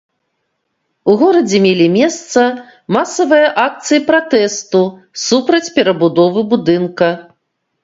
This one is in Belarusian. У горадзе мелі месца масавыя акцыі пратэсту супраць перабудовы будынка.